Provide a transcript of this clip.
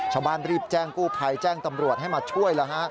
ชาวบ้านรีบแจ้งกู้ภัยแจ้งตำรวจให้มาช่วยแล้วฮะ